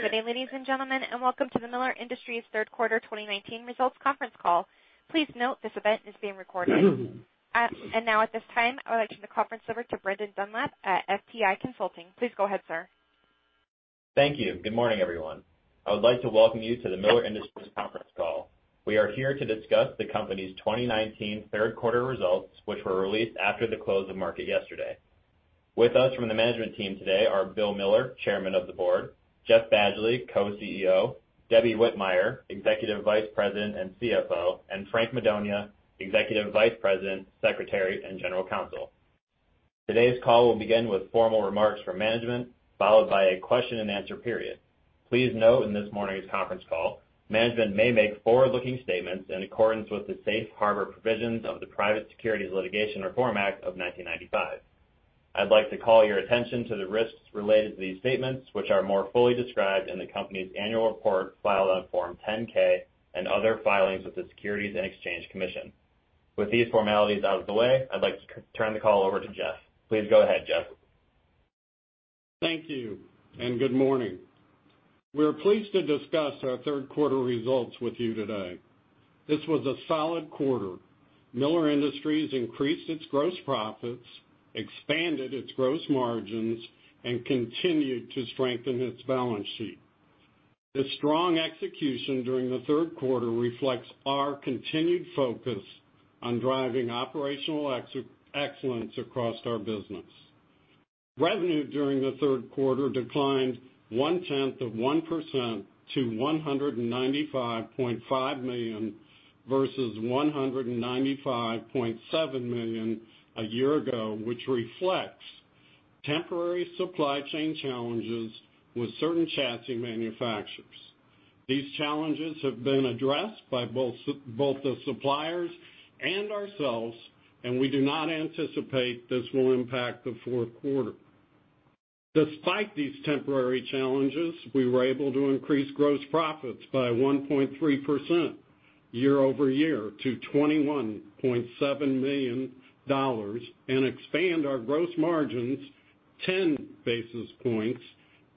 Good day, ladies and gentlemen, and welcome to the Miller Industries Third Quarter 2019 Results Conference Call. Please note this event is being recorded. Now at this time, I would like to turn the conference over to Brendan Dunlap at FTI Consulting. Please go ahead, sir. Thank you. Good morning, everyone. I would like to welcome you to the Miller Industries conference call. We are here to discuss the company's 2019 third quarter results, which were released after the close of market yesterday. With us from the management team today are Bill Miller, Chairman of the Board, Jeff Badgley, Co-CEO, Debbie Whitmire, Executive Vice President and CFO, and Frank Madonia, Executive Vice President, Secretary, and General Counsel. Today's call will begin with formal remarks from management, followed by a question and answer period. Please note in this morning's conference call, management may make forward-looking statements in accordance with the safe harbor provisions of the Private Securities Litigation Reform Act of 1995. I'd like to call your attention to the risks related to these statements, which are more fully described in the company's annual report filed on Form 10-K and other filings with the Securities and Exchange Commission. With these formalities out of the way, I'd like to turn the call over to Jeff Badgley. Please go ahead, Jeff Badgley. Thank you. Good morning. We are pleased to discuss our third quarter results with you today. This was a solid quarter. Miller Industries increased its gross profits, expanded its gross margins, and continued to strengthen its balance sheet. The strong execution during the third quarter reflects our continued focus on driving operational excellence across our business. Revenue during the third quarter declined 0.1% to $195.5 million, versus $195.7 million a year ago, which reflects temporary supply chain challenges with certain chassis manufacturers. These challenges have been addressed by both the suppliers and ourselves. We do not anticipate this will impact the fourth quarter. Despite these temporary challenges, we were able to increase gross profits by 1.3% year-over-year to $21.7 million and expand our gross margins 10 basis points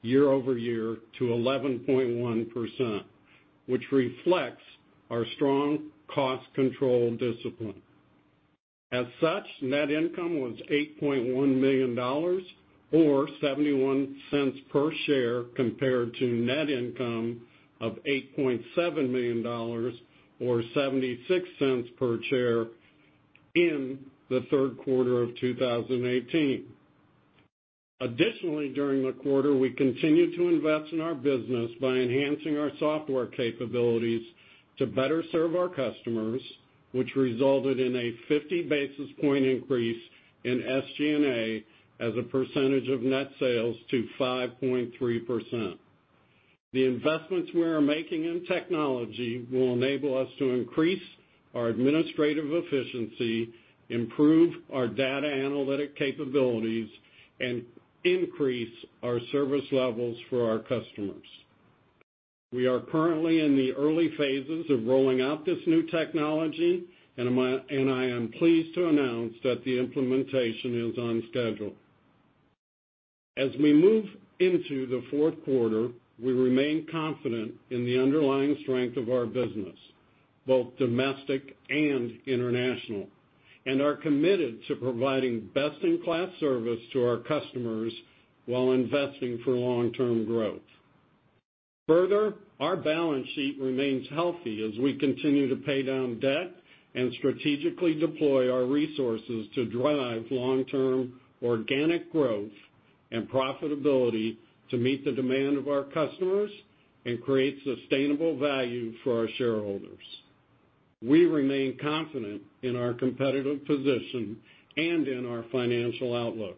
year-over-year to 11.1%, which reflects our strong cost control discipline. As such, net income was $8.1 million, or $0.71 per share compared to net income of $8.7 million or $0.76 per share in the third quarter of 2018. Additionally, during the quarter, we continued to invest in our business by enhancing our software capabilities to better serve our customers, which resulted in a 50 basis point increase in SG&A as a percentage of net sales to 5.3%. The investments we are making in technology will enable us to increase our administrative efficiency, improve our data analytic capabilities, and increase our service levels for our customers. We are currently in the early phases of rolling out this new technology, and I am pleased to announce that the implementation is on schedule. As we move into the fourth quarter, we remain confident in the underlying strength of our business, both domestic and international, and are committed to providing best-in-class service to our customers while investing for long-term growth. Further, our balance sheet remains healthy as we continue to pay down debt and strategically deploy our resources to drive long-term organic growth and profitability to meet the demand of our customers and create sustainable value for our shareholders. We remain confident in our competitive position and in our financial outlook.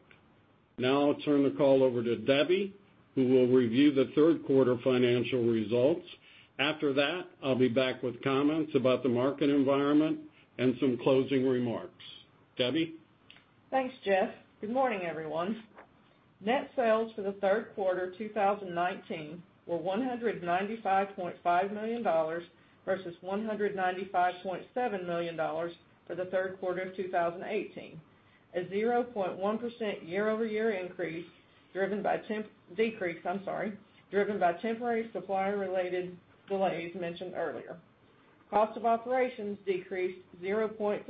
Now I'll turn the call over to Debbie Whitmire, who will review the third quarter financial results. After that, I'll be back with comments about the market environment and some closing remarks. Debbie Whitmire? Thanks, Jeff Badgley. Good morning, everyone. Net sales for the third quarter 2019 were $195.5 million, versus $195.7 million for the third quarter of 2018, a 0.1% year-over-year decrease driven by temporary supplier-related delays mentioned earlier. Cost of operations decreased 0.3%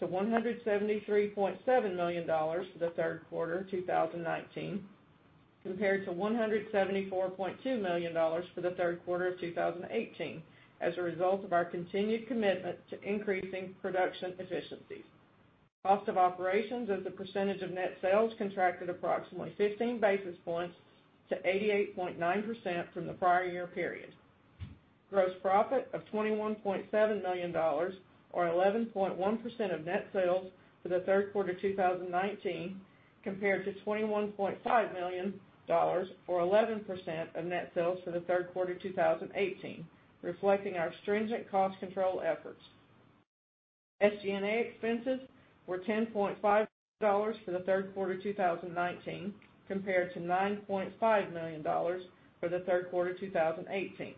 to $173.7 million for the third quarter 2019, compared to $174.2 million for the third quarter of 2018, as a result of our continued commitment to increasing production efficiency. Cost of operations as a percentage of net sales contracted approximately 15 basis points to 88.9% from the prior year period. Gross profit of $21.7 million or 11.1% of net sales for the third quarter 2019, compared to $21.5 million or 11% of net sales for the third quarter 2018, reflecting our stringent cost control efforts. SG&A expenses were $10.5 million for the third quarter 2019, compared to $9.5 million for the third quarter 2018.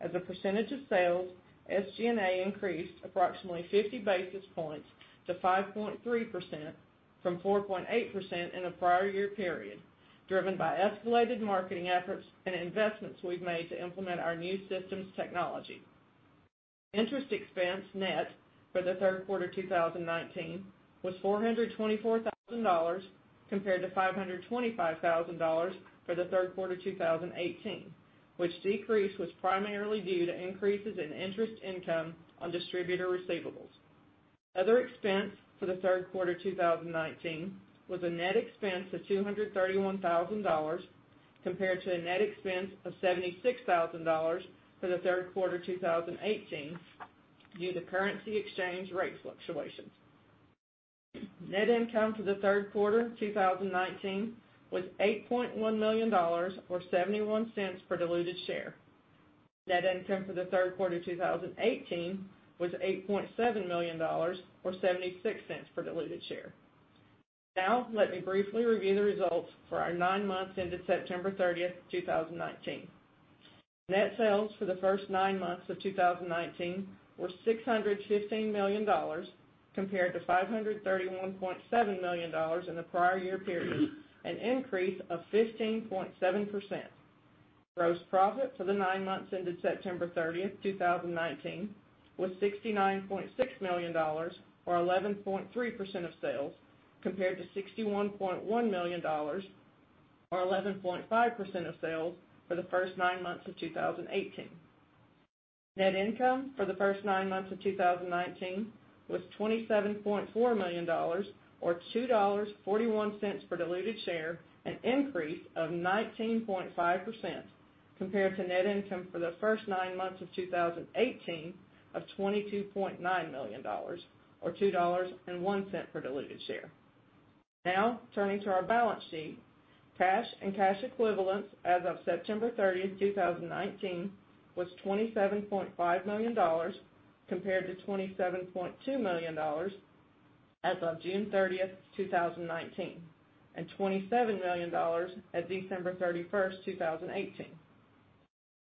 As a percentage of sales, SG&A increased approximately 50 basis points to 5.3%, from 4.8% in the prior year period, driven by escalated marketing efforts and investments we've made to implement our new systems technology. Interest expense net for the third quarter 2019 was $424,000, compared to $525,000 for the third quarter 2018, which decrease was primarily due to increases in interest income on distributor receivables. Other expense for the third quarter 2019 was a net expense of $231,000, compared to a net expense of $76,000 for the third quarter 2018, due to currency exchange rate fluctuations. Net income for the third quarter 2019 was $8.1 million, or $0.71 per diluted share. Net income for the third quarter 2018 was $8.7 million, or $0.76 per diluted share. Now, let me briefly review the results for our nine months ended September 30th, 2019. Net sales for the first nine months of 2019 were $615 million, compared to $531.7 million in the prior year period, an increase of 15.7%. Gross profit for the nine months ended September 30th, 2019 was $69.6 million, or 11.3% of sales, compared to $61.1 million, or 11.5% of sales for the first nine months of 2018. Net income for the first nine months of 2019 was $27.4 million, or $2.41 per diluted share, an increase of 19.5% compared to net income for the first nine months of 2018 of $22.9 million, or $2.01 per diluted share. Now, turning to our balance sheet, cash and cash equivalents as of September 30th, 2019 was $27.5 million, compared to $27.2 million as of June 30th, 2019, and $27 million at December 31st, 2018.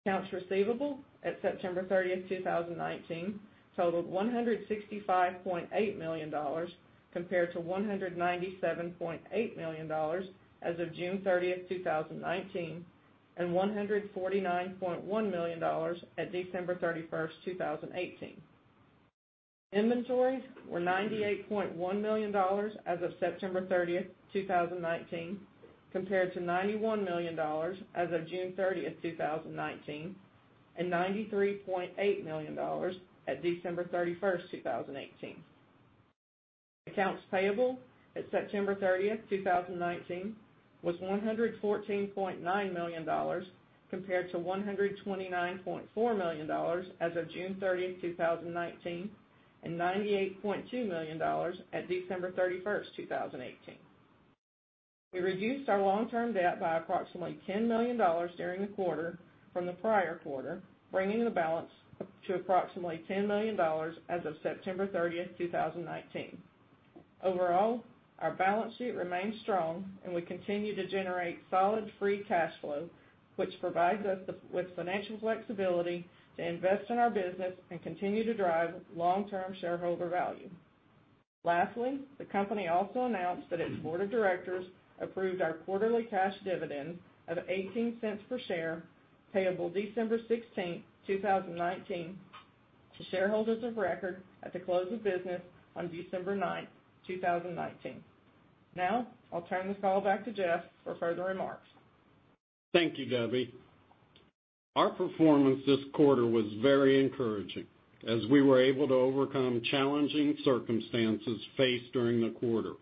Accounts receivable at September 30th, 2019 totaled $165.8 million, compared to $197.8 million as of June 30th, 2019, and $149.1 million at December 31st, 2018. Inventories were $98.1 million as of September 30th, 2019, compared to $91 million as of June 30th, 2019, and $93.8 million at December 31st, 2018. Accounts payable at September 30th, 2019 was $114.9 million, compared to $129.4 million as of June 30th, 2019, and $98.2 million at December 31st, 2018. We reduced our long-term debt by approximately $10 million during the quarter from the prior quarter, bringing the balance up to approximately $10 million as of September 30th, 2019. Overall, our balance sheet remains strong and we continue to generate solid free cash flow, which provides us with financial flexibility to invest in our business and continue to drive long-term shareholder value. Lastly, the company also announced that its Board of Directors approved our quarterly cash dividend of $0.18 per share, payable December 16th, 2019 to shareholders of record at the close of business on December 9th, 2019. Now, I'll turn this call back to Jeff Badgley for further remarks. Thank you, Debbie Whitmire. Our performance this quarter was very encouraging, as we were able to overcome challenging circumstances faced during the quarter.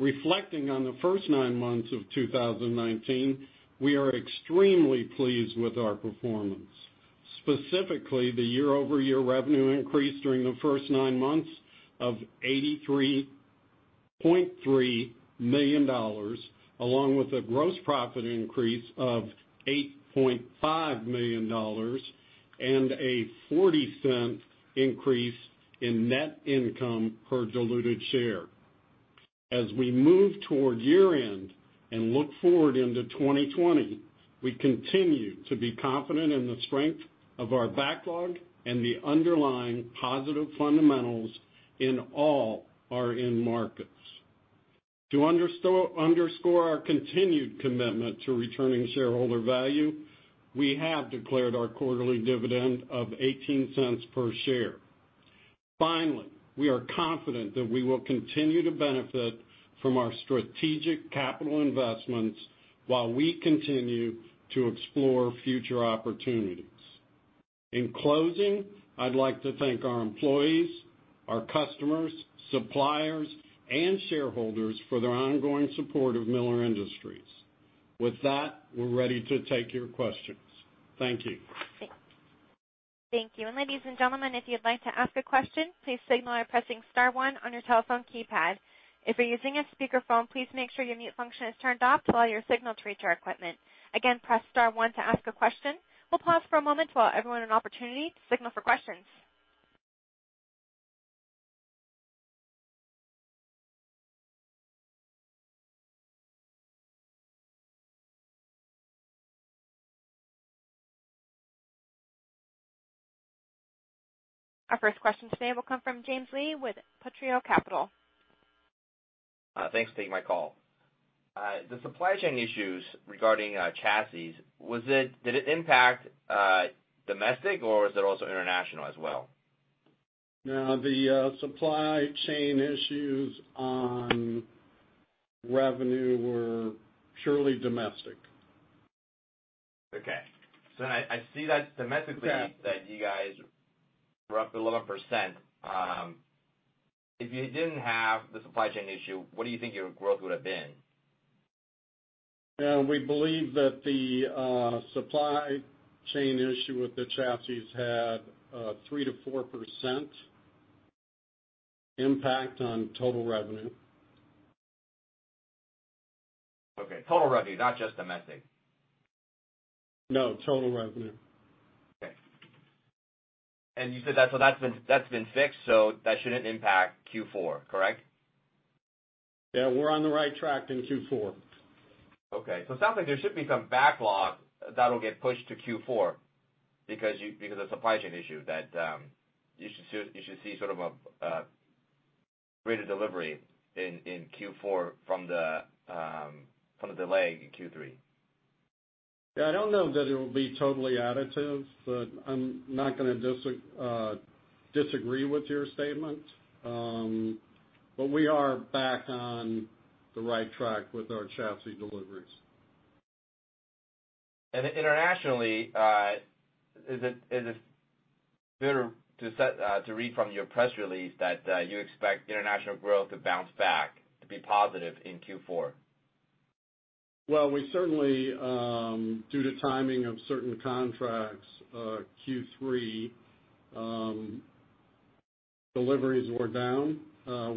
Reflecting on the first nine months of 2019, we are extremely pleased with our performance. Specifically, the year-over-year revenue increase during the first nine months of $83.3 million, along with a gross profit increase of $8.5 million, and a $0.40 increase in net income per diluted share. As we move toward year-end and look forward into 2020, we continue to be confident in the strength of our backlog and the underlying positive fundamentals in all our end markets. To underscore our continued commitment to returning shareholder value, we have declared our quarterly dividend of $0.18 per share. Finally, we are confident that we will continue to benefit from our strategic capital investments while we continue to explore future opportunities. In closing, I'd like to thank our employees, our customers, suppliers, and shareholders for their ongoing support of Miller Industries. With that, we're ready to take your questions. Thank you. Thank you. Ladies and gentlemen, if you'd like to ask a question, please signal by pressing star one on your telephone keypad. If you're using a speakerphone, please make sure your mute function is turned off to allow your signal to reach our equipment. Again, press star one to ask a question. We'll pause for a moment to allow everyone an opportunity to signal for questions. Our first question today will come from James Lee with Potrero Capital. Thanks for taking my call. The supply chain issues regarding chassis, did it impact domestic, or was it also international as well? No, the supply chain issues on revenue were purely domestic. Okay. I see that domestically- Yeah that you guys were up 11%. If you didn't have the supply chain issue, what do you think your growth would've been? We believe that the supply chain issue with the chassis had 3%-4% impact on total revenue. Okay. Total revenue, not just domestic. No, total revenue. Okay. You said that's been fixed, so that shouldn't impact Q4, correct? Yeah, we're on the right track in Q4. Okay. Sounds like there should be some backlog that'll get pushed to Q4 because of supply chain issue, that you should see sort of a greater delivery in Q4 from the delay in Q3. Yeah, I don't know that it will be totally additive, but I'm not going to disagree with your statement. We are back on the right track with our chassis deliveries. Internationally, is it fair to read from your press release that you expect international growth to bounce back to be positive in Q4? Well, we certainly, due to timing of certain contracts, Q3 deliveries were down.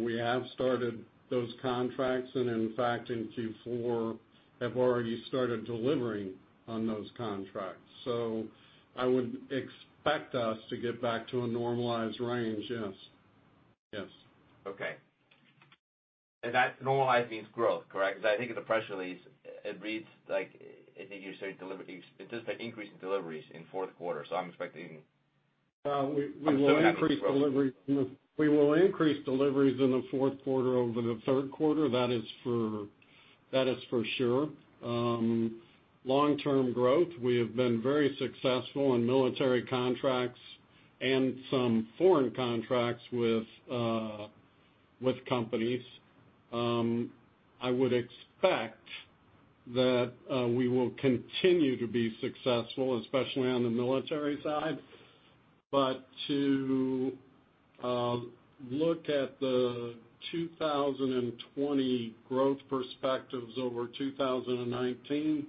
We have started those contracts and in fact in Q4 have already started delivering on those contracts. I would expect us to get back to a normalized range, yes. Okay. That normalized means growth, correct? I think in the press release, it reads like, I think you say deliveries. It does say increase in deliveries in fourth quarter, so I'm expecting -- Well, we will increase deliveries. I'm assuming that means growth. We will increase deliveries in the fourth quarter over the third quarter, that is for sure. Long-term growth, we have been very successful in military contracts and some foreign contracts with companies. I would expect that we will continue to be successful, especially on the military side, but to look at the 2020 growth perspectives over 2019,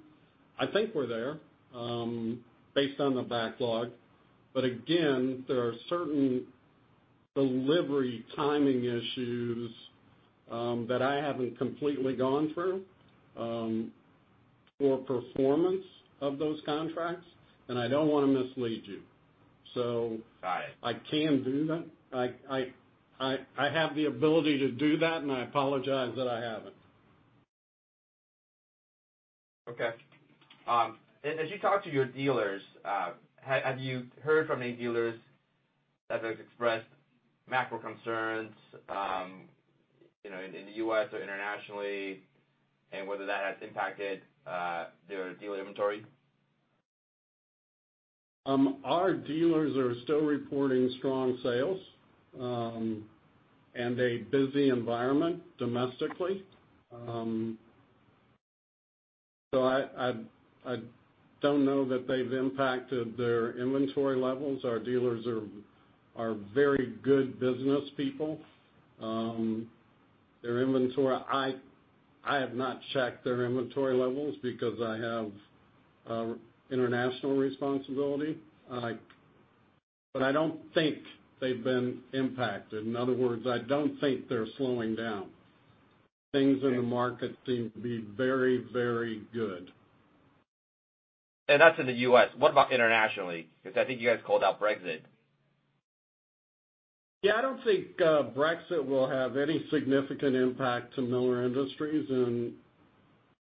I think we're there based on the backlog. Again, there are certain delivery timing issues that I haven't completely gone through for performance of those contracts, and I don't want to mislead you. Got it. I can do that. I have the ability to do that, and I apologize that I haven't. Okay. As you talk to your dealers, have you heard from any dealers that have expressed macro concerns in the U.S. or internationally and whether that has impacted their dealer inventory? Our dealers are still reporting strong sales and a busy environment domestically. I don't know that they've impacted their inventory levels. Our dealers are very good business people. I have not checked their inventory levels because I have international responsibility, but I don't think they've been impacted. In other words, I don't think they're slowing down. Things in the market seem to be very good. That's in the U.S. What about internationally? I think you guys called out Brexit. Yeah, I don't think Brexit will have any significant impact to Miller Industries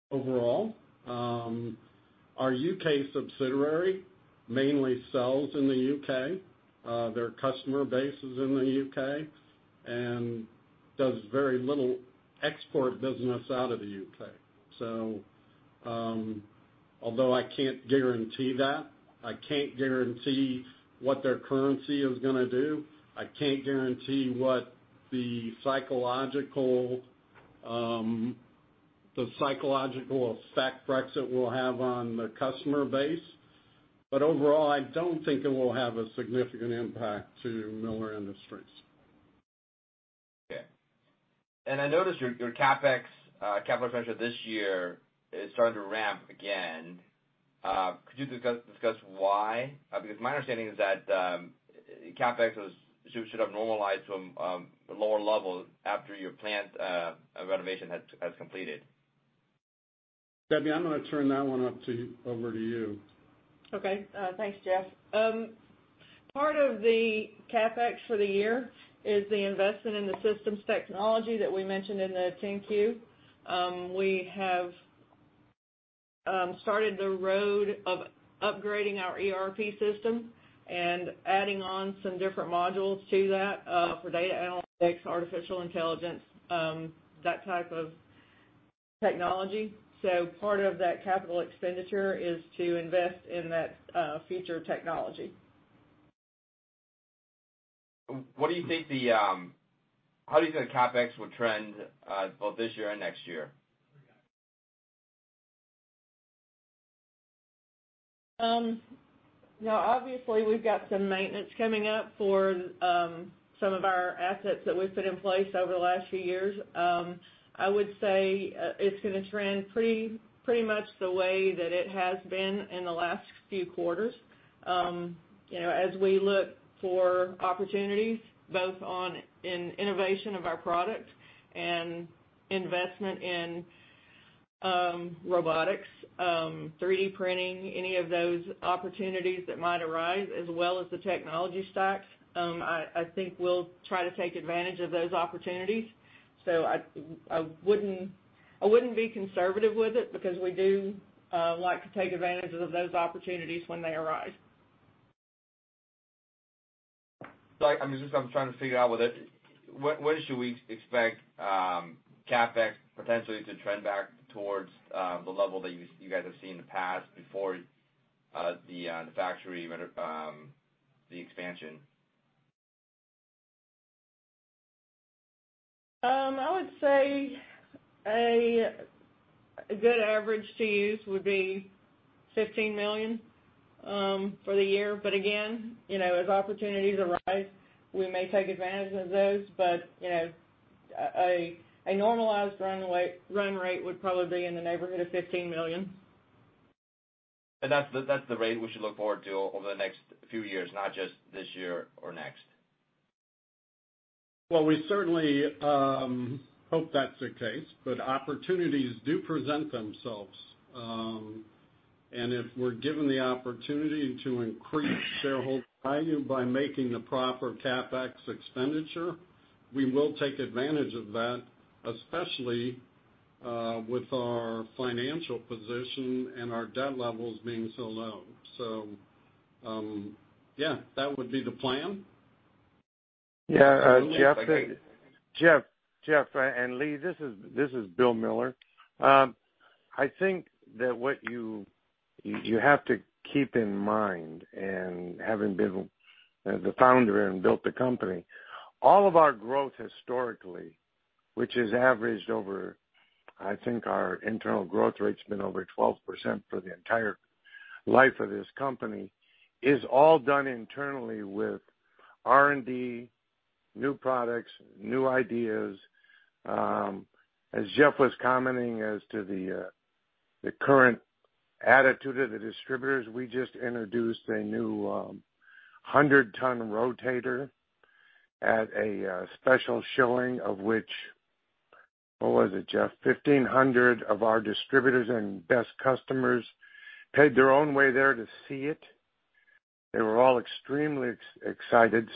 overall. Our U.K. subsidiary mainly sells in the U.K. Their customer base is in the U.K. and does very little export business out of the U.K. Although I can't guarantee that, I can't guarantee what their currency is going to do, I can't guarantee what the psychological effect Brexit will have on the customer base. Overall, I don't think it will have a significant impact to Miller Industries. Okay. I noticed your CapEx, capital expenditure this year is starting to ramp again. Could you discuss why? My understanding is that CapEx should have normalized from lower levels after your plant renovation has completed. Debbie Whitmire, I'm going to turn that one over to you. Okay. Thanks, Jeff Badgley. Part of the CapEx for the year is the investment in the systems technology that we mentioned in the 10-Q. We have started the road of upgrading our ERP system and adding on some different modules to that for data analytics, artificial intelligence, that type of technology. Part of that capital expenditure is to invest in that future technology. How do you think the CapEx will trend both this year and next year? Now obviously we've got some maintenance coming up for some of our assets that we've put in place over the last few years. I would say it's going to trend pretty much the way that it has been in the last few quarters. As we look for opportunities both in innovation of our products and investment in robotics, 3D printing, any of those opportunities that might arise as well as the technology stacks. I think we'll try to take advantage of those opportunities. I wouldn't be conservative with it, because we do like to take advantage of those opportunities when they arise. Sorry, I'm trying to figure out with it. When should we expect CapEx potentially to trend back towards the level that you guys have seen in the past before the factory, the expansion? I would say a good average to use would be $15 million for the year, but again as opportunities arise, we may take advantage of those. A normalized run rate would probably be in the neighborhood of $15 million. That's the rate we should look forward to over the next few years, not just this year or next? Well, we certainly hope that's the case, but opportunities do present themselves. If we're given the opportunity to increase shareholder value by making the proper CapEx expenditure, we will take advantage of that, especially with our financial position and our debt levels being so low. Yeah, that would be the plan. Yeah. Jeff Badgley and James Lee, this is Bill Miller. I think that what you have to keep in mind, and having been the founder and built the company, all of our growth historically, which has averaged over, I think our internal growth rate's been over 12% for the entire life of this company, is all done internally with R&D, new products, new ideas. As Jeff Badgley was commenting as to the current attitude of the distributors, we just introduced a new 100-ton rotator at a special showing of which what was it, Jeff Badgley? 1,500 of our distributors and best customers paid their own way there to see it. They were all extremely excited.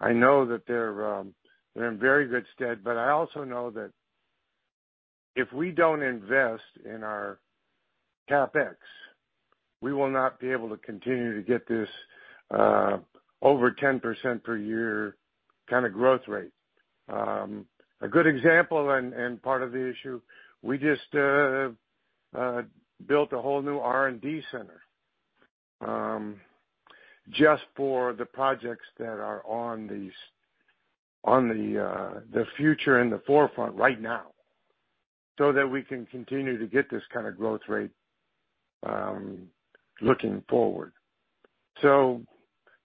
I know that they're in very good stead, but I also know that if we don't invest in our CapEx, we will not be able to continue to get this over 10% per year kind of growth rate. A good example and part of the issue, we just built a whole new R&D center just for the projects that are on the future and the forefront right now, so that we can continue to get this kind of growth rate looking forward.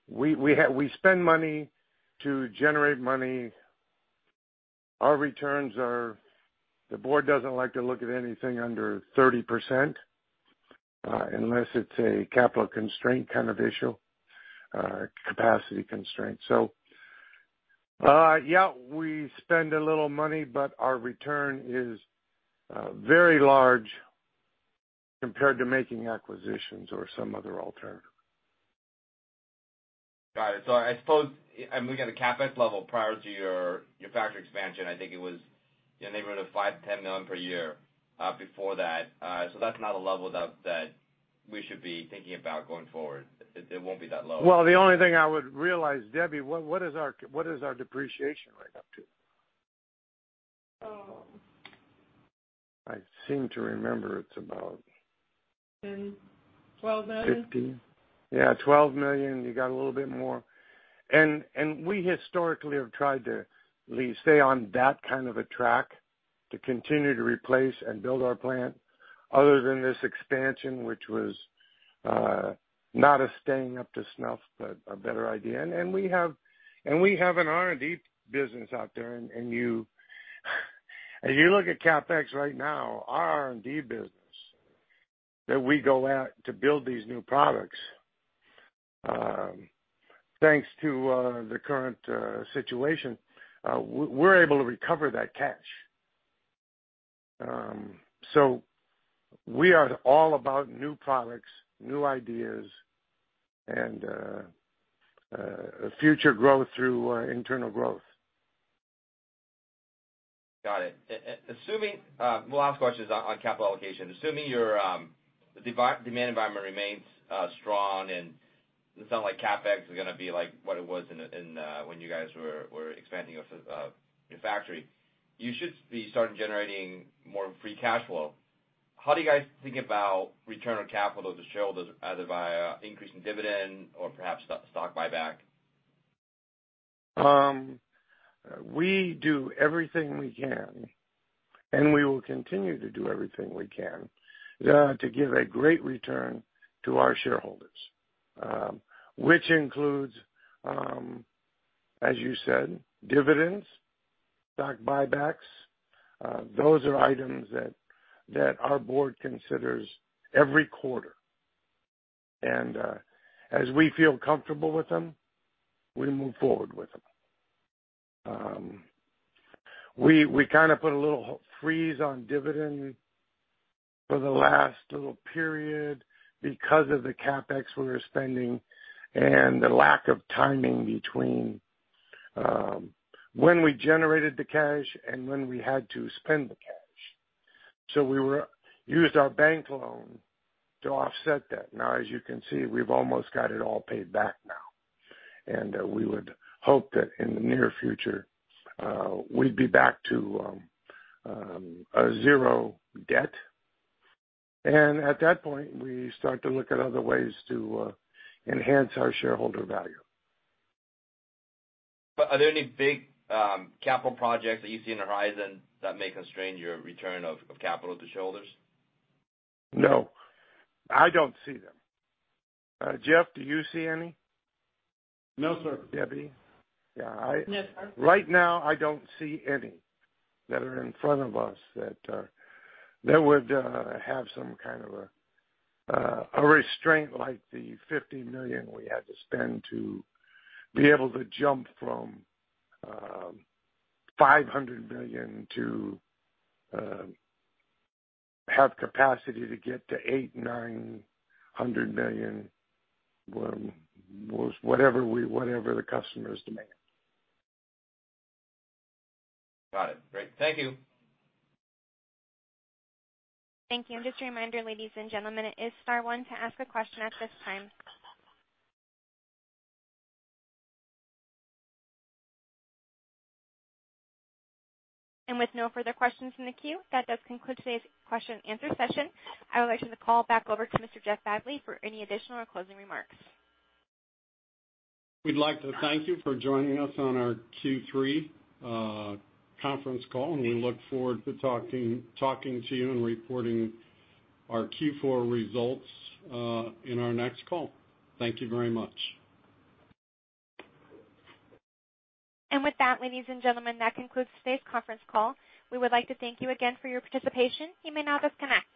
We spend money to generate money. Our returns are, the board doesn't like to look at anything under 30%, unless it's a capital constraint kind of issue, capacity constraint. Yeah, we spend a little money, but our return is very large compared to making acquisitions or some other alternative. Got it. I suppose, looking at the CapEx level prior to your factory expansion, I think it was in the neighborhood of $5 million-$10 million per year before that. That's not a level that we should be thinking about going forward. It won't be that low. Well, the only thing I would realize, Debbie Whitmire, what is our depreciation rate up to? Oh. I seem to remember, it's about.. $10 million, $12 million? $15 million. Yeah, $12 million. You got a little bit more. We historically have tried to, James Lee, stay on that kind of a track to continue to replace and build our plant other than this expansion, which was not us staying up to snuff, but a better idea. We have an R&D business out there, and if you look at CapEx right now, our R&D business that we go at to build these new products, thanks to the current situation, we're able to recover that cash. We are all about new products, new ideas, and future growth through internal growth. Got it. Last question is on capital allocation. Assuming your demand environment remains strong, and it's not like CapEx is going to be like what it was when you guys were expanding your factory, you should be starting generating more free cash flow. How do you guys think about return on capital to shareholders, either via increase in dividend or perhaps stock buyback? We do everything we can, and we will continue to do everything we can to give a great return to our shareholders, which includes, as you said, dividends, stock buybacks. Those are items that our board considers every quarter. As we feel comfortable with them, we move forward with them. We kind of put a little freeze on dividend for the last little period because of the CapEx we were spending and the lack of timing between when we generated the cash and when we had to spend the cash. We used our bank loan to offset that. Now, as you can see, we've almost got it all paid back now, and we would hope that in the near future, we'd be back to a zero debt. At that point, we start to look at other ways to enhance our shareholder value. Are there any big capital projects that you see on the horizon that may constrain your return of capital to shareholders? No, I don't see them. Jeff Badgley, do you see any? No, sir. Debbie Whitmire? No, sir. Right now, I don't see any that are in front of us that would have some kind of a restraint like the $50 million we had to spend to be able to jump from $500 million to have capacity to get to $800 million, $900 million, whatever the customers demand. Got it. Great. Thank you. Thank you. Just a reminder, ladies and gentlemen, it is star one to ask a question at this time. With no further questions in the queue, that does conclude today's question and answer session. I would like to turn the call back over to Mr. Jeff Badgley for any additional or closing remarks. We'd like to thank you for joining us on our Q3 conference call, and we look forward to talking to you and reporting our Q4 results in our next call. Thank you very much. With that, ladies and gentlemen, that concludes today's conference call. We would like to thank you again for your participation. You may now disconnect.